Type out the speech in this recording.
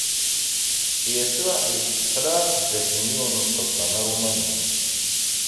Yasuɛ isseḥla aqeddac n yiwen n lqebṭan Aṛumani.